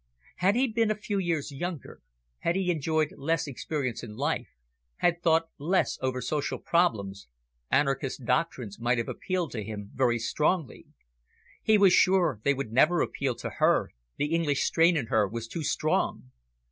Had he been a few years younger, had he enjoyed less experience in life, have thought less over social problems, anarchist doctrines might have appealed to him very strongly. He was sure they would never appeal to her, the English strain in her was too strong.